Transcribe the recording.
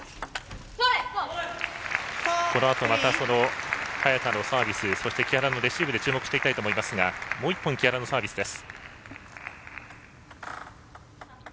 このあと、早田のサービス木原のレシーブ注目していきたいと思いますがもう１本、木原のサービスです。